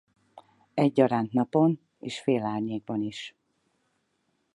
Egyaránt napon és félárnyékban is.